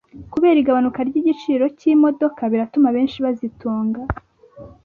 Kubera igabanuka ry’igiciro cy’imodoka biratuma benshi bazitunga